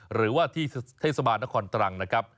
หรือว่าที่เทศบาลนครตรังนะครับ